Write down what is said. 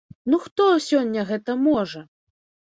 Ну хто сёння гэта можа?